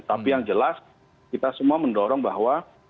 tapi yang jelas kita semua mendorong bahwa